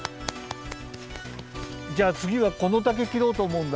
じゃあつぎはこの竹きろうとおもうんだ。